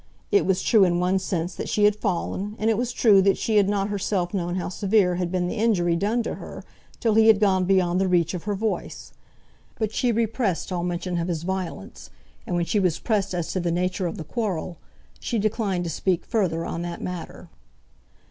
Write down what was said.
It was true, in one sense, that she had fallen, and it was true that she had not herself known how severe had been the injury done to her till he had gone beyond the reach of her voice. But she repressed all mention of his violence, and when she was pressed as to the nature of the quarrel, she declined to speak further on that matter.